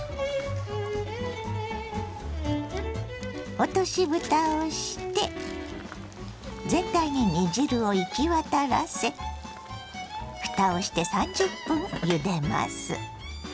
落としぶたをして全体に煮汁を行き渡らせふたをして３０分ゆでます。